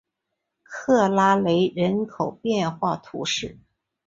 克拉雷人口变化图示